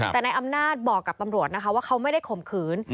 แต่นายอำนาจบอกกับตำรวจนะคะว่าเขาไม่ได้ข่มขืน